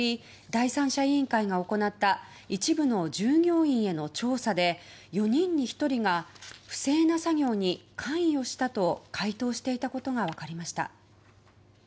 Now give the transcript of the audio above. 第三者委員会が行った一部の従業員への調査で４人に１人が不正な作業に関与したと回答していたことが分かりました。